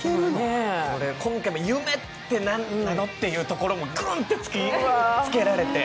今回も夢って何なのというところもグンと突きつけられて。